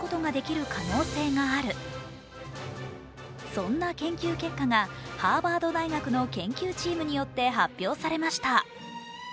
そんな研究結果がハーバード大学の研究チームによって発表されました。